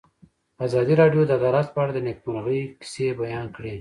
ازادي راډیو د عدالت په اړه د نېکمرغۍ کیسې بیان کړې.